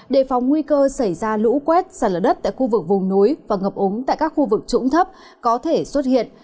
đề phóng nguy cơ xảy ra lũ quét xả lở đất tại khu vực vùng núi và ngập úng tại các khu vực trũng thấp có thể xuất hiện